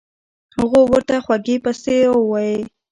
هغو ورته خوږې پستې اووائي